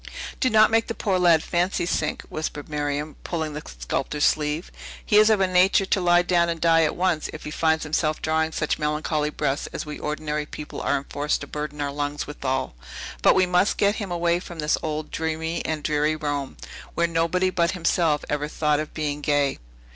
"Do not make the poor lad fancy sink," whispered Miriam, pulling the sculptor's sleeve. "He is of a nature to lie down and die at once, if he finds himself drawing such melancholy breaths as we ordinary people are enforced to burden our lungs withal. But we must get him away from this old, dreamy and dreary Rome, where nobody but himself ever thought of being gay.